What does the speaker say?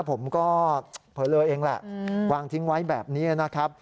ผมก็เผลอเลอเองแหละวางทิ้งไว้แบบนี้นะครับ